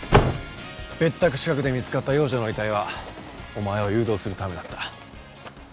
別宅近くで見つかった幼女の遺体はお前を誘導するためだった。